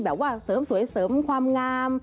แบบว่าเสริมสวยเสริมความงาม